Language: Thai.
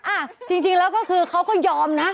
อ่ะจริงแล้วก็คือเขาก็ยอมนะ